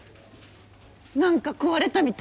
何か壊れたみ